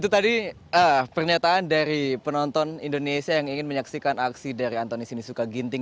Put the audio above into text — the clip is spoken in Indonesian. itu tadi pernyataan dari penonton indonesia yang ingin menyaksikan aksi dari antoni sinisuka ginting